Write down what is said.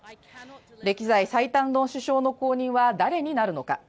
歴代最短の首相の後任は誰になるのか。